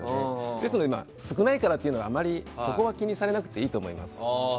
ですので、少ないからといっても気にされなくていいと思います。